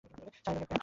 ছাই রঙের প্যান্ট।